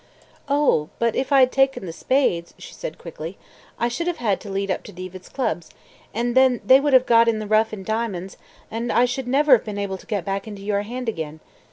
"Oh, but if I had taken the spades," she said quickly, "I should have had to lead up to Diva's clubs, and then they would have got the rough in diamonds, and I should have never been able to get back into your hand again.